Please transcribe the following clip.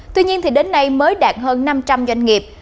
tuy nhiên đến nay mới đạt hơn năm trăm linh doanh nghiệp